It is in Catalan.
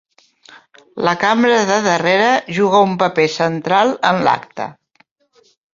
La cambra de darrere juga un paper central en l'acte.